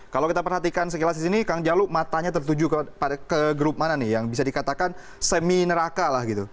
kalau kita perhatikan sekilas di sini kang jalu matanya tertuju ke grup mana nih yang bisa dikatakan semi neraka lah gitu